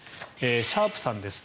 シャープさんです。